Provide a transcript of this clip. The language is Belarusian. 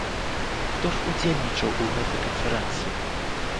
Хто ж удзельнічаў у гэтай канферэнцыі?